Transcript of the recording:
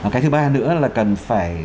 cái thứ ba nữa là cần phải